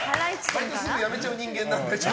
バイトすぐ辞めちゃう人間なんで。